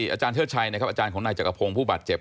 อาจารย์เชิดชัยนะครับอาจารย์ของนายจักรพงศ์ผู้บาดเจ็บ